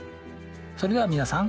それでは皆さん。